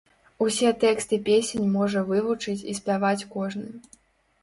Усе тэксты песень можа вывучыць і спяваць кожны.